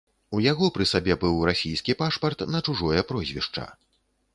У яго пры сабе быў расійскі пашпарт на чужое прозвішча.